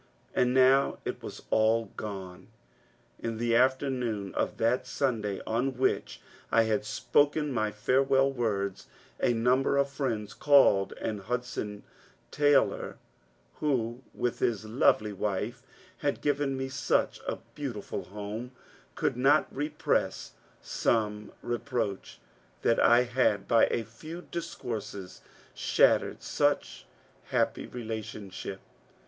And now it was all gone I In the afternoon of that Sunday on which I had spoken my farewell words, a number of friends called, and Hudson Taylor — who, with his lovely wife, had given me such a beautiful home — could not repress some re proach that I had by a few discourses shattered such happy relationship.